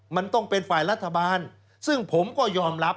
มันต้องเป็นฝ่ายรัฐบาลซึ่งผมก็ยอมรับ